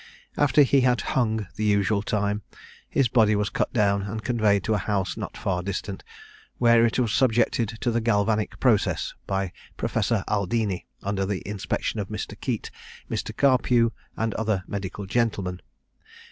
After he had hung the usual time, his body was cut down and conveyed to a house not far distant, where it was subjected to the Galvanic process, by Professor Aldini, under the inspection of Mr. Keate, Mr. Carpue, and other medical gentlemen.